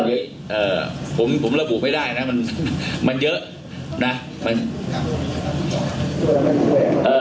เอ่อผมผมระบุไม่ได้นะมันมันเยอะนะมันครับเอ่อ